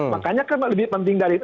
makanya kan lebih penting dari itu